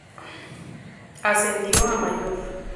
Ascendió a mayor.